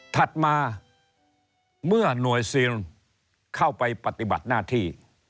ถัดมาเมื่อหน่วยซิลเข้าไปปฏิบัติหน้าที่